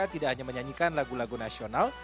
tidak hanya menyanyikan lagu lagu nasional